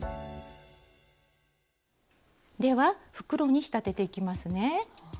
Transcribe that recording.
では袋に仕立てていきますね。